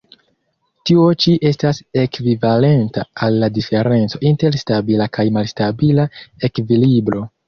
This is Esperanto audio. Tio ĉi estas ekvivalenta al la diferenco inter stabila kaj malstabila ekvilibro.